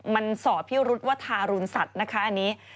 มันสอบพิรุษว่าทารุณสัตว์นะคะอันนี้